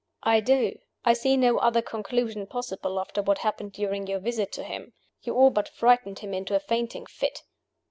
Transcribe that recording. "I do. I see no other conclusion possible, after what happened during your visit to him. You all but frightened him into a fainting fit.